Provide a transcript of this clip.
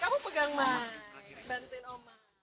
kamu pegang ma bantuin oman